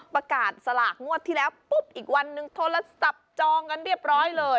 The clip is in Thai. ประกาศสลากงวดที่แล้วปุ๊บอีกวันนึงโทรศัพท์จองกันเรียบร้อยเลย